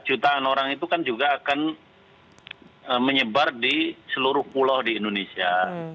jutaan orang itu kan juga akan menyebar di seluruh pulau di indonesia